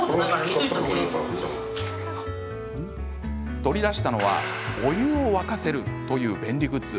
取り出したのは、お湯を沸かせるという便利グッズ。